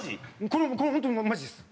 これ本当にマジです。